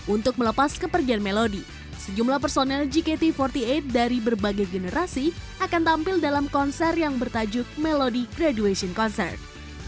untuk melepas kepergian melodi sejumlah personel gkt empat puluh delapan dari berbagai generasi akan tampil dalam konser yang bertajuk melody graduation concert